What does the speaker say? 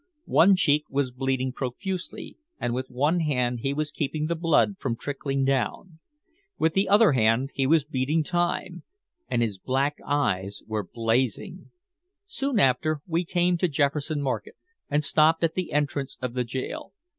One cheek was bleeding profusely and with one hand he was keeping the blood from trickling down. With the other hand he was beating time. And his black eyes were blazing. Soon after, we came to Jefferson Market and stopped at the entrance of the jail.